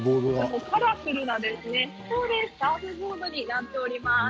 カラフルなサーフボードになっております。